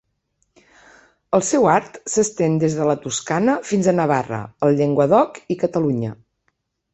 El seu art s'estén des de la Toscana fins a Navarra, el Llenguadoc i Catalunya.